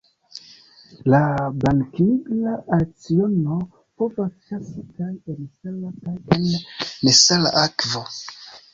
La Blanknigra alciono povas ĉasi kaj en sala kaj en nesala akvo.